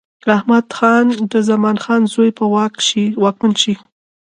احمد خان د زمان خان زوی به واکمن شي.